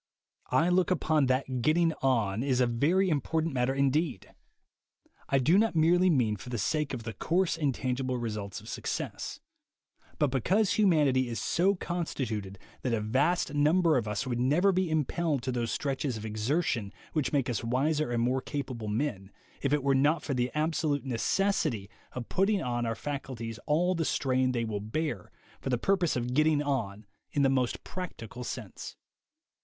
I look upon it that 'getting on' is a very important matter indeed. I do not mean merely for the sake of the coarse and tangible results of success, but because humanity is so con stituted that a vast number of us would never be impelled to those stretches of exertion which make us wiser and more capable men, if it were not for the absolute necessity of putting on our faculties all the strain they will bear, for the purpose of 'getting on' in the most practical sense."